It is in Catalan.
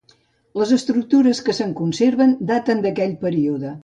Les estructures que se'n conserven daten d'aquell període.